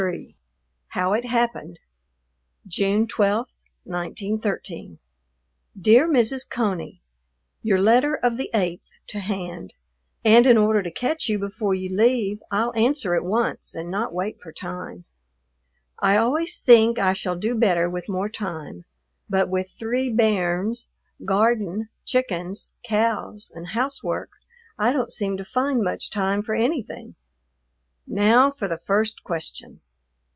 XXIII HOW IT HAPPENED June 12, 1913. Dear Mrs. Coney, Your letter of the 8th to hand, and in order to catch you before you leave I'll answer at once and not wait for time. I always think I shall do better with more time, but with three "bairns," garden, chickens, cows, and housework I don't seem to find much time for anything. Now for the first question.